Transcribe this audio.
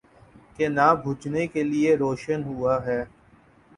کہ نہ بجھنے کے لیے روشن ہوا ہے۔